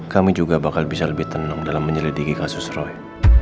kami juga bakal bisa lebih tenang dalam menyelidiki kasus roy